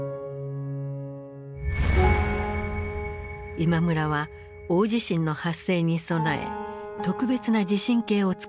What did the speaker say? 今村は大地震の発生に備え特別な地震計を作っていた。